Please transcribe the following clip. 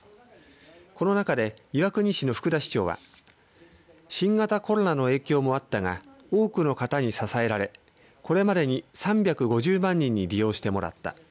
この中で岩国市の福田市長は新型コロナの影響もあったが多くの方に支えられこれまでに３５０万人に利用してもらった。